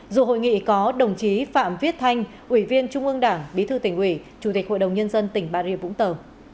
dù hội nghị có đồng chí phạm viết thanh ủy viên trung ương đảng bí thư tỉnh ủy chủ tịch hội đồng nhân dân tỉnh bà rịa vũng tàu